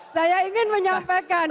saya ingin menyampaikan